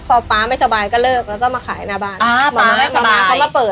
ตะลมเป็นฟีลแบบว่าทำงานอะไรก็ได้